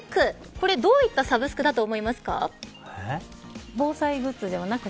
これどういったサブスクだと思いますか。